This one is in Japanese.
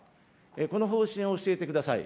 この方針を教えてください。